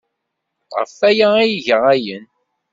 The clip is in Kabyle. Ɣef waya ay iga ayen.